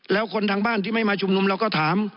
แล้วคนทางบ้านที่ไม่มาชุมนุมเราก็ถาม